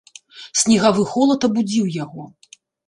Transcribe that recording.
Снегавы холад абудзіў яго.